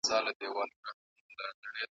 زړه نازړه په شمار اخلي د لحد پر لور ګامونه .